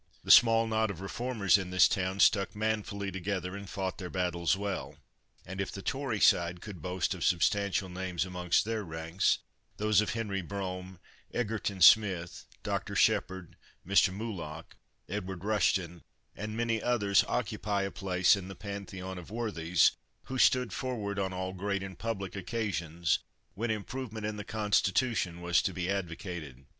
The small knot of reformers in this town stuck manfully together and fought their battles well; and if the Tory side could boast of substantial names amongst their ranks, those of Henry Brougham, Egerton Smith, Dr. Shepherd, Mr. Mulock, Edward Rushton, and many others, occupy a place in the pantheon of worthies who stood forward on all great and public occasions when improvement in the constitution was to be advocated.